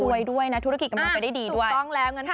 รวยด้วยนะธุรกิจกำลังไปได้ดีด้วยถูกต้องแล้ว